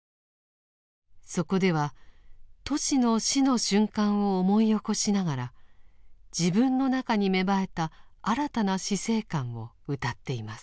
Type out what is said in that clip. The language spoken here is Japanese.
そこではトシの死の瞬間を思い起こしながら自分の中に芽生えた新たな死生観をうたっています。